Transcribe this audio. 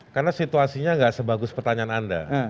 karena situasinya gak sebagus pertanyaan anda